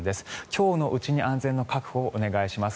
今日のうちに安全の確保をお願いします。